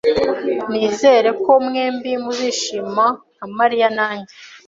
Nizere ko mwembi muzishima nka Mariya nanjye